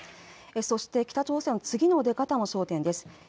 そして北朝鮮の次の出方も焦点です。